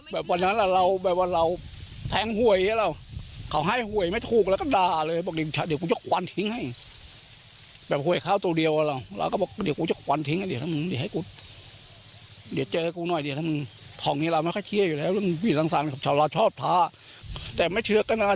เทศเทวดาทริปฟาชันดินอลุกเทวดาเทศเทวดาพิอินต์พระยมกราณเจ้าประจำเขา